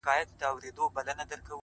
• د ښايسته ساقي په لاس به جام گلنار وو,